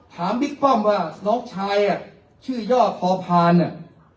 บิ๊กป้อมว่าน้องชายอ่ะชื่อย่อพอพานอ่ะ